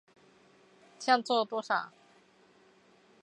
比之后所提的颜料靛要来得明亮许多。